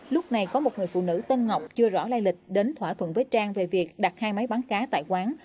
lúc này có một người phụ nữ tên ngọc chưa rõ lai lịch đến thỏa thuận với trang về việc đặt hai máy bán cá tại quán